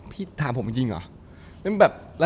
ถามผมจริงเหรอ